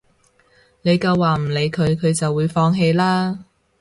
你夠話唔理佢，佢就會放棄啦